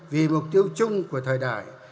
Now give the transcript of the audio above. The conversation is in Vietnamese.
vì mục tiêu chung của thời đại